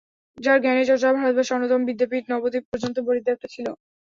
যার জ্ঞানের চর্চা ভারতবর্ষের অন্যতম বিদ্যাপীঠ নবদ্বীপ পর্যন্ত পরিব্যাপ্ত ছিল।